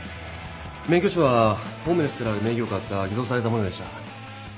免許証はホームレスから名義を買った偽造されたものでした。